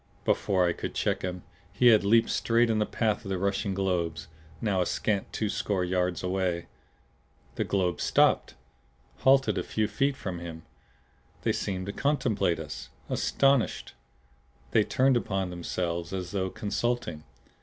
Before I could check him, he had leaped straight in the path of the rushing globes, now a scant twoscore yards away. The globes stopped halted a few feet from him. They seemed to contemplate us, astonished. They turned upon themselves, as though consulting.